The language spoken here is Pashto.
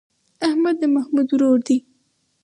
احمد د محمود ورور دی.